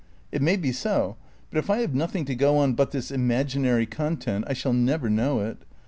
It may be so, but if I have nothing to go on but this imaginary content I shall never know it.